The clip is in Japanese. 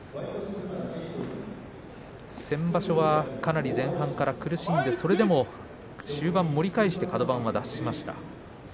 先場所は、かなり前半から苦しんでそれでも終盤、盛り返してカド番を脱しました。